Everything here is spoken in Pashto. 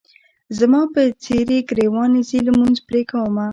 زما په څېرې ګریوان ځي لمونځ پې کومه.